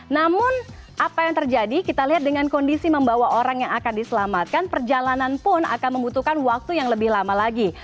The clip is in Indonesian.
namun apa yang terjadi kita lihat dengan kondisi membawa orang yang akan diselamatkan perjalanan pun akan membutuhkan waktu yang lebih lama lagi